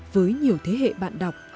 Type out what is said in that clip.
với nhiều thế hệ bạn đọc